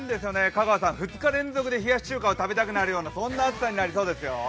香川さん、２日連続で冷やし中華を食べたくなるような陽気になりますよ。